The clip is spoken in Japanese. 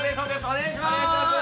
お願いします